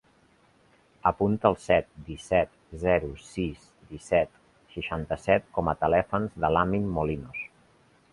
Apunta el set, disset, zero, sis, disset, seixanta-set com a telèfon de l'Amin Molinos.